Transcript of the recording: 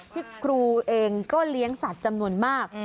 ที่ครูเองก็เลี้ยงสัตว์จำนวนมาก